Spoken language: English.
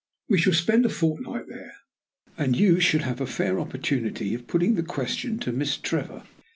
We shall spend a fortnight there, and you should have a fair opportunity of putting the question to Miss Trevor.